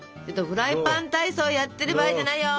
フライパン体操やってる場合じゃないよ。